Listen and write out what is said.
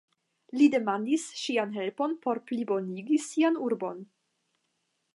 Li demandis ŝian helpon por plibonigi sian urbon.